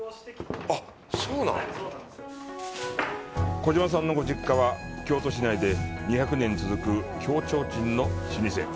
小嶋さんのご実家は京都市内で２００年続く京提灯の老舗。